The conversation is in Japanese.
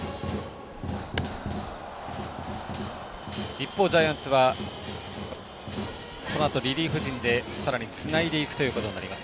一方、ジャイアンツはこのあとリリーフ陣でさらにつないでいくということになります。